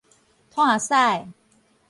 炭屎